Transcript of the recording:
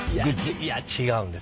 いや違うんです。